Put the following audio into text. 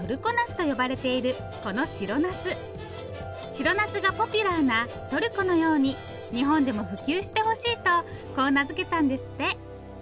白なすがポピュラーなトルコのように日本でも普及してほしいとこう名付けたんですって。